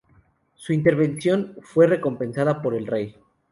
Su intervención fue bien recompensada por el rey.